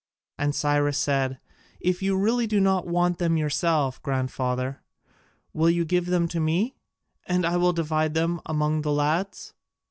And Cyrus said, "If you really do not want them yourself, grandfather, will you give them to me? And I will divide them among the lads."